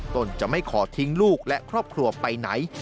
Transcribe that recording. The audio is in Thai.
ตนจะไม่ขอทิ้งลูกและครอบครัวไปไหน